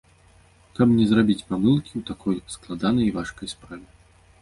Каб не зрабіць памылкі ў такой складанай і важкай справе.